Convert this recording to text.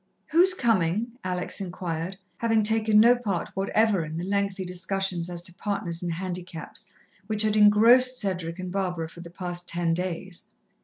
"Who is coming?" Alex inquired, having taken no part whatever in the lengthy discussions as to partners and handicaps which had engrossed Cedric and Barbara for the past ten days.